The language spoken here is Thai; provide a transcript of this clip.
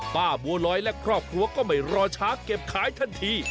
บัวลอยและครอบครัวก็ไม่รอช้าเก็บขายทันที